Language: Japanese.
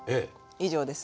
以上です。